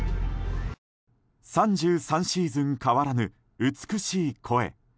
３３シーズン変わらぬ美しい声。